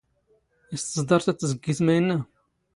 ⵉⵙ ⵜⵥⴹⴰⵕⵜ ⴰⴷ ⵜⵣⴳⴳⵉⵜ ⵎⴰⵢⵏⵏⴰ?